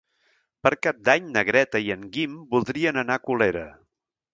Per Cap d'Any na Greta i en Guim voldrien anar a Colera.